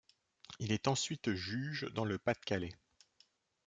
Il est ensuite juge dans le Pas-de-Calais.